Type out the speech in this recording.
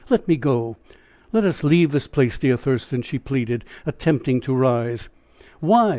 "Let me go let us leave this place, dear Thurston," she pleaded, attempting to rise. "Why?